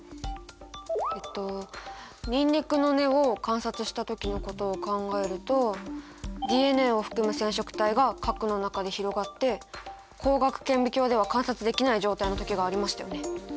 えっとニンニクの根を観察した時のことを考えるとＤＮＡを含む染色体が核の中で広がって光学顕微鏡では観察できない状態の時がありましたよね。